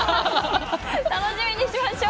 楽しみにしましょう。